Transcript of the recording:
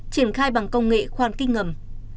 triển khai bằng công nghệ khoan kích ngầm